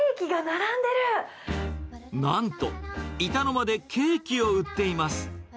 なんと板の間でケーキを売っています。